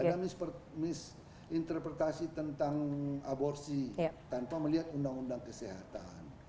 ada misinterpretasi tentang aborsi tanpa melihat undang undang kesehatan